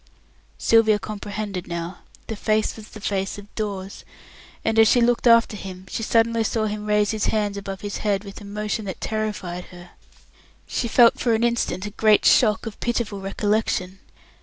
Sylvia comprehended now the face was the face of Dawes; and as she looked after him, she saw him suddenly raise his hands above his head with a motion that terrified her. She felt for an instant a great shock of pitiful recollection.